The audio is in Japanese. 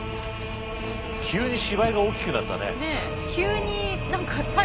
急に芝居が大きくなったね。